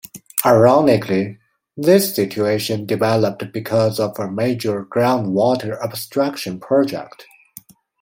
Ironically, this situation developed because of a major groundwater abstraction project.